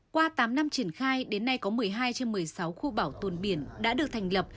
qua tám năm triển khai đến nay có một mươi hai trên một mươi sáu khu bảo tồn biển đã được thành lập